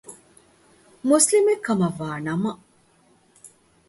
މުސްލިމެއްކަމަށްވާ ނަމަ